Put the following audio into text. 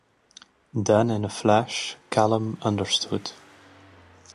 Then in a flash Callum understood.